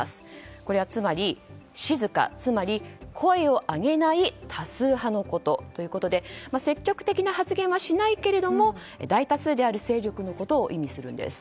これはつまり、静かつまり声を上げない多数派のことということで積極的な発言はしないけれども大多数である勢力のことを意味するんです。